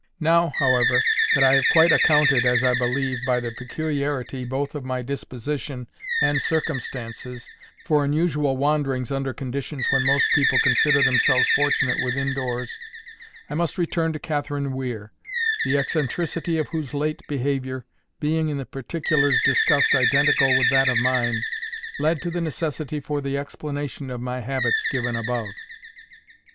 Now, however, that I have quite accounted, as I believe, by the peculiarity both of my disposition and circumstances, for unusual wanderings under conditions when most people consider themselves fortunate within doors, I must return to Catherine Weir, the eccentricity of whose late behaviour, being in the particulars discussed identical with that of mine, led to the necessity for the explanation of my habits given above.